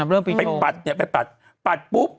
เป็นปัดเนี่ยไปปัดปัดปุ๊บ